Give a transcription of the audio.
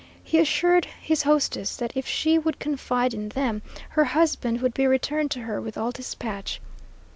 He assured his hostess that if she would confide in them, her husband would be returned to her with all dispatch.